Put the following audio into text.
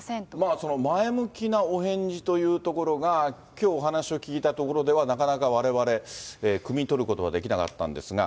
その前向きなお返事というところが、きょう、お話を聞いたところでは、なかなかわれわれ、くみ取ることはできなかったんですが。